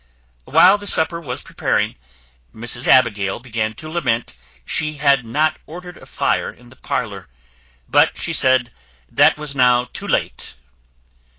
While the supper was preparing, Mrs Abigail began to lament she had not ordered a fire in the parlour; but, she said, that was now too late.